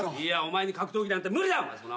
いやお前に格闘技なんて無理だ！